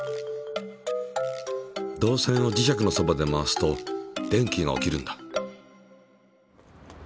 導線を磁石のそばで回すと電気が起きるんだ。